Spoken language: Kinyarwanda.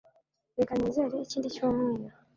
reka nizere, ikindi cyumweru